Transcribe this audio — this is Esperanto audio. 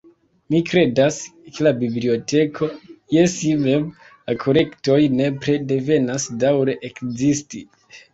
Mi kredas ke la biblioteko je si mem, la kolektoj, nepre devas daŭre ekzisti.